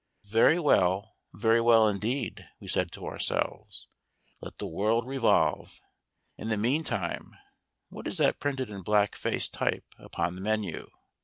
Very well, very well indeed, we said to ourselves; let the world revolve; in the meantime, what is that printed in blackface type upon the menu?